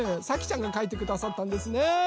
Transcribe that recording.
さきちゃんがかいてくださったんですね。